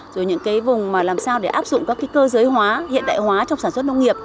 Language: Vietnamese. rồi những cái vùng mà làm sao để áp dụng các cái cơ giới hóa hiện đại hóa trong sản xuất nông nghiệp